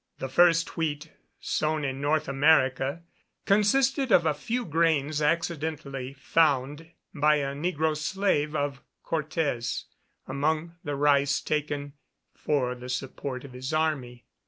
The first wheat sown in North America, consisted of a few grains accidentally found by a negro slave of Cortes, among the rice taken for the support of his army.